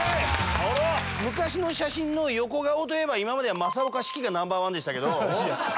昔の写真の横顔といえば今までは正岡子規がナンバーワンでしたけど。